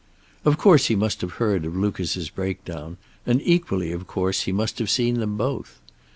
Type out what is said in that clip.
Of course he must have heard of Lucas's breakdown, and equally, of course, he must have seen them both.